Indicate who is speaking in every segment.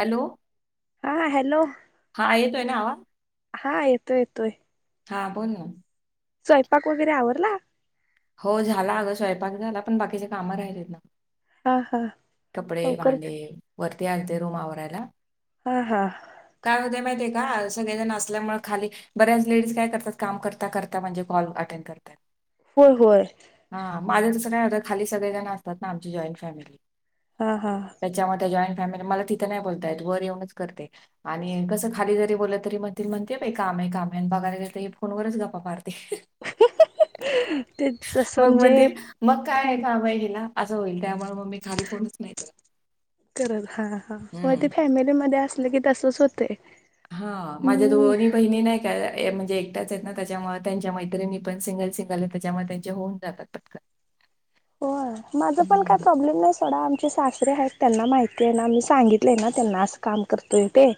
Speaker 1: Hello
Speaker 2: हा hello
Speaker 1: हा येतोय ना आवाज
Speaker 2: हा येतोय येतोय
Speaker 1: हा बोल ना
Speaker 2: स्वयंपाक वगैरे आवरला
Speaker 1: हो झाला अगं स्वयंपाक झाला पण बाकीच्या काम राहिलेत ना
Speaker 2: हा हा
Speaker 1: कपडे
Speaker 2: लवकर
Speaker 1: भांडे वरती आलते रूमवरायला
Speaker 2: हा हा
Speaker 1: काय होते माहितीय आहे का सगळेजण असल्यामुळे खाली बऱ्याच लेडीज काय करतात काम करता करता म्हणजे कॉल अटेंड करतात
Speaker 2: हो होय
Speaker 1: हा माझं तसं काय होतं खाली सगळे जण असतात ना आमची जॉईंट फॅमिली
Speaker 2: हा हा
Speaker 1: त्याच्यामध्ये जॉईंट फॅमिली मला तिथं नाही बोलतायत वर येऊनच करते आणि कसं खाली जरी बोलत तरी म्हण म्हणते बा काम आहे काम आहे आणि बघायला तर फोनवरच गपपा पारते
Speaker 2: [inaudible] ते जसं
Speaker 1: मग मग त
Speaker 2: म्हणजे
Speaker 1: मग काय आहे
Speaker 2: फॅम
Speaker 1: काम हिला असं होईल त्यामुळे मग मी खाली फोनच नाही तुला
Speaker 2: करत हा हा मग ते फॅमिलीमध्ये असले की तसच होते
Speaker 1: हा माझ्या दोनी बहिणी नाही म्हणजे एकटाच आहेत ना त्याच्यामुळे त्यांच्या मैत्रिणीी पण सिंगल सिंगल आहे त्याच्यामुळे त्यांचे होऊन जातात पटक
Speaker 2: हो माझं पण काय प्रॉब्लेम नाही सोडा चे सासरे आहेत त्यांना माहिती आहे ना मी सांगितलेय ना त्यांना असं काम करतोय ते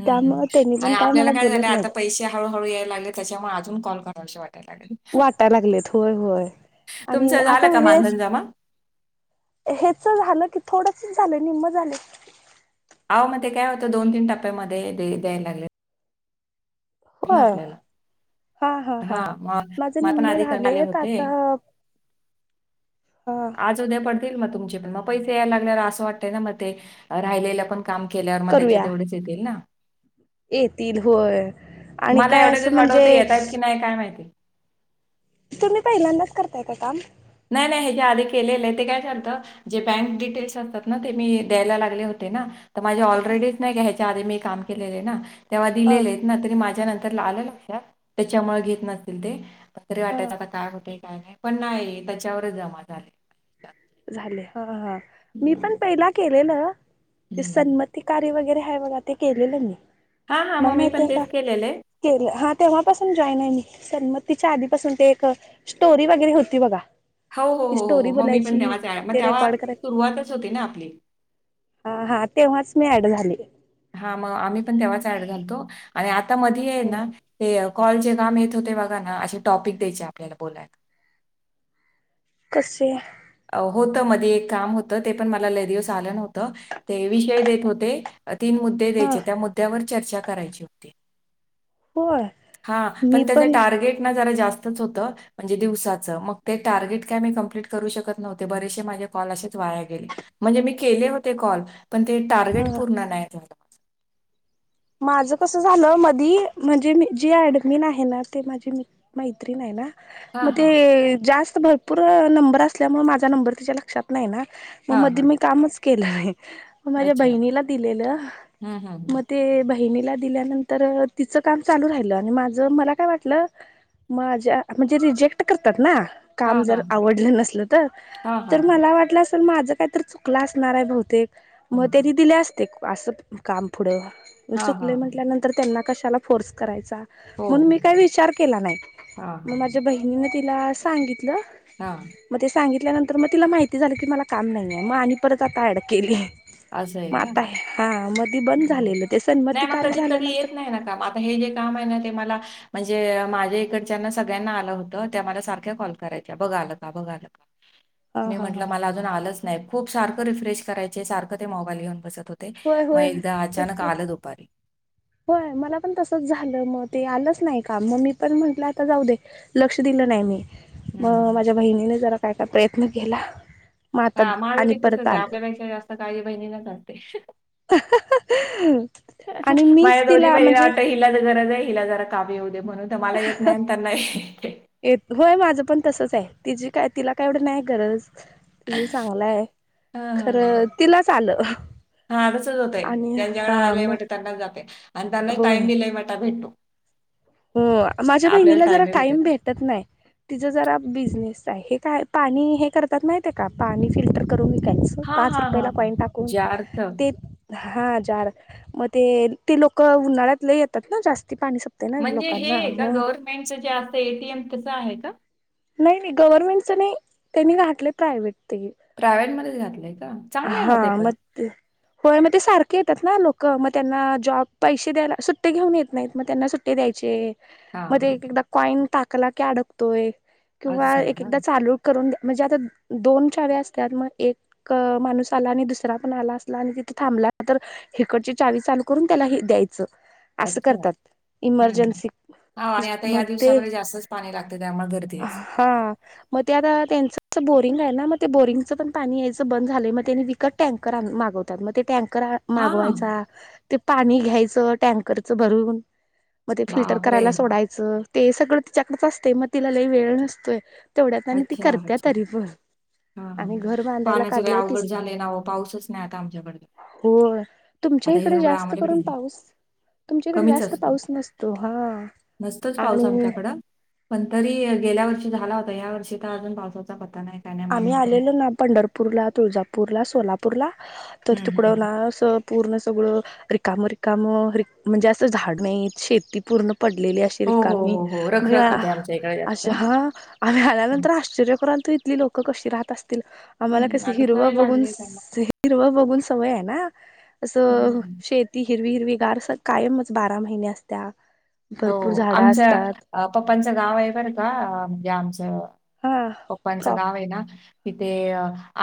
Speaker 1: हम् हम्
Speaker 2: त्यामुळे त्यांनी पण
Speaker 1: आणि आपल्याला
Speaker 2: मला
Speaker 1: काय
Speaker 2: बोलत
Speaker 1: झालंय आता
Speaker 2: नाहीत
Speaker 1: पैसे हळूहळू याय लाग त्याच्यामुळे अजून कॉल कराव असे वाटयला लागल
Speaker 2: वाटायला लागलेत होय होय आणि
Speaker 1: तुमचं झालं
Speaker 2: आता
Speaker 1: का मानधन
Speaker 2: वेस्ट
Speaker 1: जमा?
Speaker 2: हेच झालं की थोडसच झाले निम्म झाले
Speaker 1: अव मध्ये ते काय होतं दोन तीन टप्प्यामध्ये द्यायला लागले
Speaker 2: हो हा हा हा
Speaker 1: हां. मग
Speaker 2: माझ
Speaker 1: मला पण
Speaker 2: निम्म
Speaker 1: आधी
Speaker 2: झाले
Speaker 1: कंटाळे आले होते.
Speaker 2: आता हा
Speaker 1: आज उद्या पडतील मग तुमचे पण मग पैसे यायला लागल्याला असं वाटतय ना मग ते राहिल्या पण काम केल्यावर मग त्याच्या
Speaker 2: करूया
Speaker 1: तेवढेच येतील ना
Speaker 2: येतील होय आणि
Speaker 1: मला
Speaker 2: काय
Speaker 1: एवढे
Speaker 2: असं
Speaker 1: दिवस वाटत
Speaker 2: म्हणजे
Speaker 1: होतं येत आहेत की काय माहिती
Speaker 2: तुम्ही पहिल्यांदाच करतायेत काम
Speaker 1: नाही नाही हे जे आधी केलेलं आहे ते काय चालतं जे बँक डिटेल्स असतात ना ते मी द्यायला लागले होते ना माझे ऑलरेडीच नाही ह्याच्या आधी मी काम केलेले ना तेव्हा
Speaker 2: हा
Speaker 1: दिलेले तरी माझ्या नंतर आलं लक्ष त्याच्यामुळे घेत नतील ते पतरी वाटय
Speaker 2: हा
Speaker 1: काता काय होतय काय नाही पण नाही त्याच्यावरच जमा झाले
Speaker 2: झाले हा हा मी पण
Speaker 1: हम्म.
Speaker 2: पहिला केलेलं ते
Speaker 1: हम्म.
Speaker 2: सन्मती कार्य वगैरे आहे बघा ते केलेलं मी
Speaker 1: हा हा
Speaker 2: मला
Speaker 1: मग मी पण
Speaker 2: माहितीय का
Speaker 1: तेच केलेलं आहे
Speaker 2: केलं हा तेव्हापासून जॉईन आहे मी समतीिच्या आधीपासून ते एक स्टोरी वगैरे होती बघा
Speaker 1: हो हो
Speaker 2: ती
Speaker 1: हो हो
Speaker 2: स्टोरी
Speaker 1: हो मम्मी पण
Speaker 2: बोलायची
Speaker 1: तेवच मग
Speaker 2: ते
Speaker 1: तेव्हा
Speaker 2: रेकॉर्ड करायच
Speaker 1: सुरुवातच होती ना आपली
Speaker 2: ह हा तेव्हाच मी ऍड झाली
Speaker 1: हा मग आम्ही पण तेव्हाच ॲड घालतो आणि आता मधी आहे ना ते कॉल चे काम येत होते बघा ना असे टॉपिक द्यायचे आपल्याला बोलायला
Speaker 2: कुशी
Speaker 1: होतं मध्ये एक काम होतं ते पण मला लदिवस आलं नव्हतं ते विषय देत होते तीन मुद्दे
Speaker 2: हा
Speaker 1: द्यायचे त्या मुद्द्यावर चर्चा करायची होती
Speaker 2: होय
Speaker 1: हा पण त्याच टार्गेट ना ज जास्त [inaudible] न्ह बरेसे माझे कॉल असेच वाया गेले म्हणजे मी केले होते कॉल पण ते टार्गेट
Speaker 2: अ
Speaker 1: पूर्ण नाही तुला
Speaker 2: माझं कसं झालं मधी म्हणजे मी जी ऍडमिन आहे ना ते माझी म मैत्री नाही आहे ना मग
Speaker 1: हां, हां,
Speaker 2: ते जास्त भरपूर नंबर असल्यामुळे माझा नंबर तच्या लक्षात नाही ना मग
Speaker 1: हां,
Speaker 2: मध्ये
Speaker 1: हां.
Speaker 2: मी कामच केलं आहे मग माझ्या बहिणीला दिलेलं
Speaker 1: हम हम
Speaker 2: मग ते बहिणीला दिल्यानंतर तिचं काम चालू राहिलं आणि माझ मला काय वाटलं माझ्या म्हणजे रिजेक्ट करतात ना काम
Speaker 1: हां,
Speaker 2: जर
Speaker 1: हां,
Speaker 2: आवडलं नसलं तर
Speaker 1: हां,
Speaker 2: तर
Speaker 1: हां,
Speaker 2: मला वाटलं असल माझं काही तर चुकलं असणार आहे बहुतेक मग
Speaker 1: हं.
Speaker 2: तरी दिले असते अस काम पुढं
Speaker 1: हां, हां,
Speaker 2: चुकले
Speaker 1: हां.
Speaker 2: म्हटल्यानंतर त्यांना कशाला फोर्स करायांचा
Speaker 1: हो,
Speaker 2: म्हणून मी
Speaker 1: हो.
Speaker 2: का विच के
Speaker 1: हां,
Speaker 2: नाही
Speaker 1: हां,
Speaker 2: माझ्या बहिणीच्या आणि म तिला सांगितलं
Speaker 1: हा
Speaker 2: मग ते सांगितल्यानंतर मग तिला माहिती झाली की मला काम नाहीये मग आणि परत आता अडक केलीय
Speaker 1: असं आहे
Speaker 2: म
Speaker 1: का?
Speaker 2: आता हा मध बंद
Speaker 1: हं.
Speaker 2: झालेलं ते सन्मती
Speaker 1: नाही मग
Speaker 2: कार्य
Speaker 1: कधी कधी
Speaker 2: झाल्यानंतर
Speaker 1: येत नाही ना काम. आता हे जे काम आहे ना ते मला म्हणजे माझ्या इकडच्यांना सगळ्यांना आलं होत त्या मला सारख्या कॉल करायच्या बघा आलं का बघा आलं का?
Speaker 2: [inaudible]
Speaker 1: मी
Speaker 2: हा
Speaker 1: म्हटलं मला अजून आलंच नाही खूप सारखं रिफ्रेश करायचे सारखं ते मोबाईल घेऊन बसत होते
Speaker 2: होय
Speaker 1: मग
Speaker 2: होय
Speaker 1: एकदा
Speaker 2: तस
Speaker 1: अचानक आलं दुपारी
Speaker 2: होय मला पण तसंच झालं मग ते आलंच नाही का मग मी पण म्हंटलं आता जाऊ दे लक्ष दिलं नाही मी मग
Speaker 1: हं.
Speaker 2: माझ्या बहिणीने जरा काय काय प्रयत्न केला मग आता
Speaker 1: हा माझ
Speaker 2: आणि
Speaker 1: ते
Speaker 2: परत
Speaker 1: तसंच आहे
Speaker 2: आलं
Speaker 1: आपल्यापेक्षा जास्त काजी बहिणीला करते
Speaker 2: आणि
Speaker 1: माय
Speaker 2: मीच
Speaker 1: दोरी
Speaker 2: तिला
Speaker 1: मरी
Speaker 2: म्हणजे
Speaker 1: नाटही हिला ज गरज आहे हिला जरा काम येऊ दे म्हणून तर मला येत नाही त्यांना
Speaker 2: येत होय माझं पण तसच आहे तिची काय तिला काय एवढ नाही गरज तिझं चांगलंय खरं तिलाच आलं
Speaker 1: हा तसच होतंय
Speaker 2: आणि
Speaker 1: ज्यांच्याकडे
Speaker 2: हा
Speaker 1: आलाय
Speaker 2: मग
Speaker 1: म्हट त्यांनाच जातय आणि त्यांना
Speaker 2: होय
Speaker 1: टाइम दिलाय म्हटता भेटो
Speaker 2: हो माझ्या बहिणीला जरा
Speaker 1: टाईम नाही
Speaker 2: टाइम भेटत नाही तिचं जरा बिझनेस आहे हे काय पाणी हे करतात माे का पाणी फिल्टर करून विकायचं
Speaker 1: हां,
Speaker 2: पाच
Speaker 1: हां,
Speaker 2: रुपयाेला
Speaker 1: हां, हां.
Speaker 2: कॉईंन टाकून
Speaker 1: जार्थ
Speaker 2: ते हा जार मग ते ते लोक उन्हाळ्यातले येतात ना जास्ती पाणी स
Speaker 1: म्हणजे हे आहे का गव्हर्नमेंटचं जे असं एटीएम तसं आहे का
Speaker 2: नाही नाही गव्हर्नमेंटचं नाही त्यांनी घाठले प्रायव्हेट ते
Speaker 1: प्रायव्हेट मध्ये घातलंय का चांगलं आहे
Speaker 2: हा
Speaker 1: ना ते
Speaker 2: म
Speaker 1: पण.
Speaker 2: होय मग ते सारखे येतात ना लोक मग त्यांना जॉब पैसे द्यायला सुट्टे घेऊन येत नाहीत मग त्यांना सुट्टे द्यायचे
Speaker 1: हां,
Speaker 2: मध्ये
Speaker 1: हां.
Speaker 2: एक एकदा कॉईन टाकला क अडकतोय किंवा
Speaker 1: असं आहे
Speaker 2: एक
Speaker 1: का?
Speaker 2: एकदा चालू करून्या म्हणजे आता दोन चावे असतात मग एक माणूस आला आणि दुसरा पण आला असला आणि तिथे थांबला तर हिकडची चावी चालू करून त्याला हे द्यायचं असं करतात इमर्जन्सी
Speaker 1: होा आणि आता या
Speaker 2: मग ते
Speaker 1: दिवसामध्ये जास्तच पाणी लागत त्यामुळे गर्दी असं
Speaker 2: हा मग ते आता त्यांचं बोरिंग आहे ना मग ते बोरिंगचं पण पाणी यायच... बंद झालय मग त्यानी विकत टँ मागवतात मग ते टँकर
Speaker 1: हां,
Speaker 2: मागवायचा ते पाणी घ्यायचं टँकरचं भरून मग ते फिल्टर
Speaker 1: बापरे!
Speaker 2: करायला सोडायचं... ते सगळं तिच्याकडच असते मग तिला लई वेळ नसतोय.. तेवढ्यात आणि ती
Speaker 1: अच्छा,
Speaker 2: करत्या
Speaker 1: अच्छा.
Speaker 2: तरी पण आणि घर बांधायला..
Speaker 1: सग
Speaker 2: काढले तीस
Speaker 1: अवघड झाले ना पाऊसच नाही आता आमच्याकड...
Speaker 2: हो तुमच्या इकडे जास्त
Speaker 1: भेटेल
Speaker 2: करून
Speaker 1: नाही,
Speaker 2: पाऊस... तुमच्याकडे
Speaker 1: कमीच
Speaker 2: जास्त
Speaker 1: असतो.
Speaker 2: पाऊस नसतो हा
Speaker 1: नसतोच पाऊस
Speaker 2: आणि...
Speaker 1: आमच्याकडं. पण तरी गेल्या वर्षी झाला होता या वर्षी तर अजून पावसाचा पता नाही... काय नाही
Speaker 2: आम्ही
Speaker 1: मारणार तो.
Speaker 2: आलेलो ना पंढरपूरला तुळजापूरला सोलापूरला तर
Speaker 1: हम्म
Speaker 2: तिकडं
Speaker 1: हम्म.
Speaker 2: ना असं... पूर्ण सगळं रिकाम रिकाम म्हणजे असं झाड नाहीत शेती पूर्ण पडलेली आहे...
Speaker 1: हो
Speaker 2: क
Speaker 1: हो हो हो
Speaker 2: म्हण
Speaker 1: रखरख होते आमच्या इकडे जास्त ना
Speaker 2: अशा हा... आम्ही
Speaker 1: हम्म.
Speaker 2: आल्यानंतर आश्चर्य कराल त इथली लोकं कशी राहत असतील.. आम्हाला कस
Speaker 1: हम्म, आता
Speaker 2: हिरवा
Speaker 1: सवय
Speaker 2: बघून
Speaker 1: लागली आहे त्यांना
Speaker 2: हिरवा बघून सवय आहे ना असं
Speaker 1: हम्म
Speaker 2: शेत... ती हिरवी हिरवी गारस कायमच बारा महिन्या असत...
Speaker 1: हो आमच पप्पांचं गाव आहे बर का म्हणजे आमचं...
Speaker 2: हा...
Speaker 1: पप्पांचं
Speaker 2: प्रॉ
Speaker 1: गाव आहे ना तिथे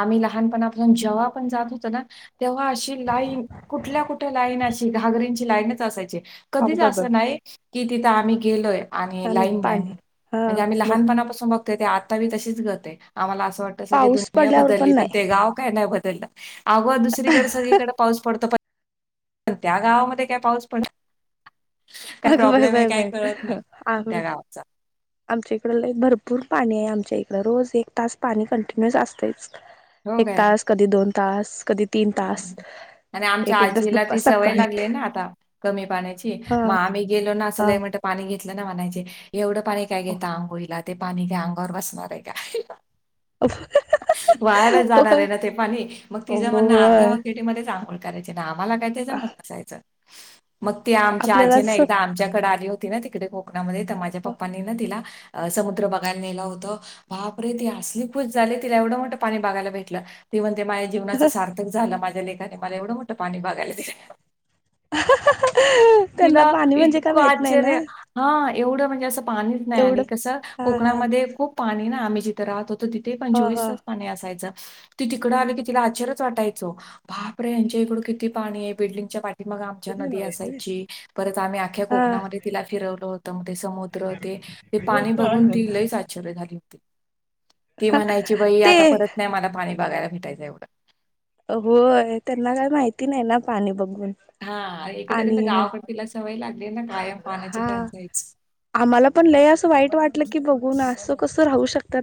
Speaker 1: आम्ही लहानपणापासून जेव्हा पण जात होतो ना... तेव्हा अशी लाईन कुठल्या कुठल्या लाईन अशी घागरींची लाईनच असायची...
Speaker 2: अग
Speaker 1: कधीच
Speaker 2: बाय बाय
Speaker 1: असं नाही की तिथं आम्ही गेलोय... आणि लाईन नाही
Speaker 2: पाणी
Speaker 1: म्हणून
Speaker 2: हा
Speaker 1: म्हणजे आम्ही
Speaker 2: मग
Speaker 1: लहानपणापासून बघ.. ते आताी तशीच गत आहे आम्हाला असं वाटत सगळी
Speaker 2: पाऊस
Speaker 1: दुनिया
Speaker 2: पडल्यावर
Speaker 1: बदलली पण ते
Speaker 2: नाही
Speaker 1: गाव काय नाही बदललं आगो दुसरीकडे सगळीकडे पाऊ पडतो पण त्या गावामध्ये काय पाऊस पडत.... काय
Speaker 2: अग बाय
Speaker 1: प्रॉब्लेम आहे
Speaker 2: बाय
Speaker 1: काय
Speaker 2: बाय
Speaker 1: कळत नाही
Speaker 2: आ...
Speaker 1: त्या गावाचा
Speaker 2: आमच्या इकड भरपूर पाणी आहे आमच्या इकड रोज एक तास पाणी कंटिन्युस असतेच... एक तास कधी दोन तास कधी... तीन
Speaker 1: ह
Speaker 2: तास
Speaker 1: आणि आमच्या
Speaker 2: एक एक तास
Speaker 1: आजीला
Speaker 2: दुप्पा
Speaker 1: ती सवय
Speaker 2: सकाळी
Speaker 1: लागली ना आता... कमी पाण्याची
Speaker 2: हा
Speaker 1: मग आम्ही गेलो ना
Speaker 2: हा
Speaker 1: असलय म्हणत पाणी घेतलं ना म्हणायचे... एवढं पाणी काय घेता अंघोळीला ते पाणी काय अंगावर बसणार आहे का... वायालाच जाणार
Speaker 2: होय
Speaker 1: आहे ना ते पाणी मग तिझ म्हण...
Speaker 2: होय.
Speaker 1: शेमध्ये च आघोळ करायं ना आम्हा लागायच मण कायचं... मग ते आमच्या
Speaker 2: आपल्याला
Speaker 1: आजी ना
Speaker 2: जस
Speaker 1: एकदा आमच्याकडे आली होती ना तिकडे कोकणामध्ये तर माझ्या पप्पानी ना तिला... समुद्र बघायला नेला होतं बाप रे ती असली खुश झाली तिला एवढं मोठं पाणी बघायला भेटलं... ते म्हणते माझ्या जीवनाच सार्थक झालं माझ्या लेकाने मला एवढं मोठं पाणी बघायला नेल....
Speaker 2: त्यांना पाणी म्हणजे काय माहित नाही ना...
Speaker 1: हा एवढं म्हणजे असं पाणीच नाही आणि
Speaker 2: एवढं
Speaker 1: कसं
Speaker 2: हा हा
Speaker 1: कोकणामध्ये खूप पाणी ना आम्ही जि... थ र होत तिथे
Speaker 2: हा
Speaker 1: पंचवीस
Speaker 2: हा
Speaker 1: तास... असायच ती तिकड आली की तिला आचरच वाटायचो बाप रे यांच्या इकड पाणी आहे बिल्डिंगच्या पाठी मग आमच्या नदी असायची परत आम्ही आख्या
Speaker 2: हा
Speaker 1: कोकणामध्ये.... तिला फिरवलं होत मग ते समुद्र ते ते पाणी बघून ती लईच आश्चर्य झाली होती.... ती म्हणायची बाई
Speaker 2: ते
Speaker 1: आता परत नाही मला पाणी बघायला भेटायचं एवढं...
Speaker 2: होय त्यांना काय माहिती नाही ना पाणी बघून....
Speaker 1: हा एकतरीच
Speaker 2: आणि
Speaker 1: गावकड तिला सवय लागली ना कायम पाण्याची
Speaker 2: हा
Speaker 1: टंचायची...
Speaker 2: आम्हाला पण लय असं वाईट वाटलं की बघू ना असं कसं राहू शकतात...